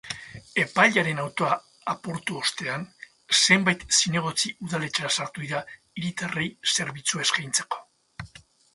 Epailearen autoa apurtu ostean, zenbait zinegotzi udaletxera sartu dira hiritarrei zerbitzua eskaintzeko.